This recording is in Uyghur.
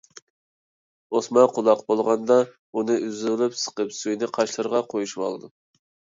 ئوسما قۇلاق بولغاندا، ئۇنى ئۈزۈۋېلىپ سىقىپ سۈيىنى قاشلىرىغا قويۇشۇۋالىدۇ.